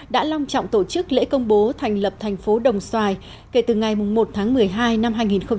đã long trọng tổ chức lễ công bố thành lập thành phố đồng xoài kể từ ngày một tháng một mươi hai năm hai nghìn một mươi chín